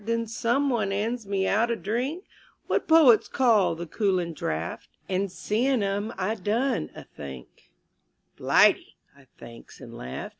Then someone 'ands me out a drink, What poets call "the cooling draft," And seeing 'im I done a think: "Blighty," I thinks and laughed.